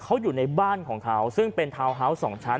เขาอยู่ในบ้านของเขาซึ่งเป็นทาวน์ฮาวส์๒ชั้น